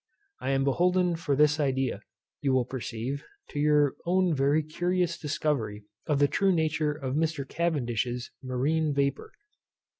I am beholden for this idea, you will perceive, to your own very curious discovery of the true nature of Mr. Cavendish's marine vapour.